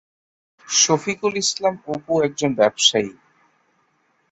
শফিকুল ইসলাম অপু একজন ব্যবসায়ী।